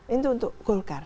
itu untuk golkar